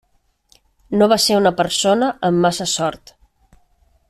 No va ser una persona amb massa sort.